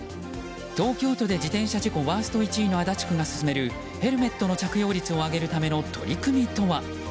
東京都で自転車事故ワースト１位の足立区が進めるヘルメットの着用率を上げるための取り組みとは。